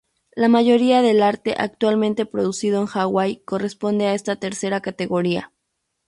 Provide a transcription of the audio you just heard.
La mayoría del arte actualmente producido en Hawái corresponde a esta tercera categoría.